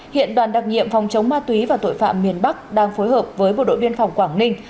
hiện đoàn đặc nhiệm phòng chống ma túy và tội phạm miền bắc đang phối hợp với bộ đội biên phòng quảng ninh